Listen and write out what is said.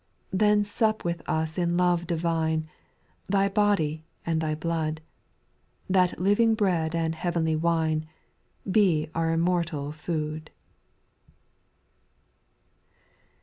6. Then sup with us in love divine ; Thy body and Thy blood. That living bread and heavenly wine, Be our immortal food.